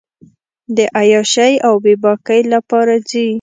د عیاشۍ اوبېباکۍ لپاره ځي.